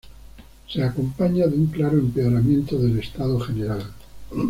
Se acompaña de un claro empeoramiento del estado general.